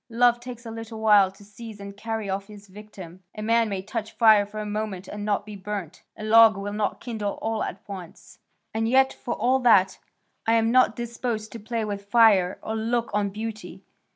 Love takes a little while to seize and carry off his victim. A man may touch fire for a moment and not be burnt; a log will not kindle all at once; and yet for all that, I am not disposed to play with fire or look on beauty.